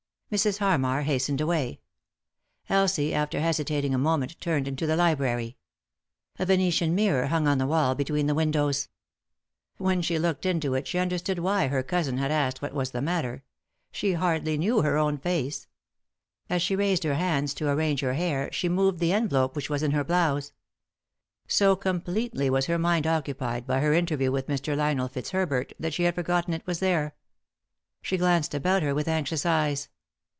Mrs. Harmar hastened away. Elsie, after hesi tating a moment, turned into the library. A Venetian mirror hung on the wall between the windows. J "9 3i 9 iii^d by Google THE INTERRUPTED KISS When she looked into it she understood why her cousin had asked what was the matter ; she hardly knew her own face. As she raised her hands to arrange her hair she moved the envelope which was in her blouse. So completely was her mind occupied by her interview with Mr. Lionel Fitzherbert that she had forgotten it was there. She glanced about her with anxious eyes.